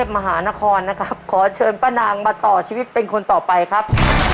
มาต่อชีวิตเป็นคนต่อไปครับ